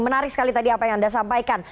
menarik sekali tadi apa yang anda sampaikan